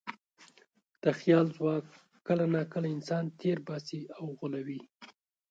د خیال ځواک کله ناکله انسان تېر باسي او غولوي.